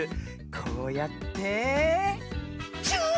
こうやってチュー！